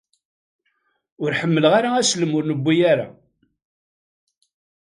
Ur ḥemmleɣ ara aslem ur newwi ara.